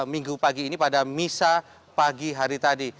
minggu pagi ini pada misa pagi hari tadi